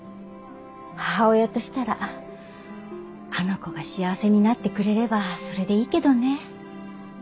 母親としたらあの子が幸せになってくれればそれでいいけどね。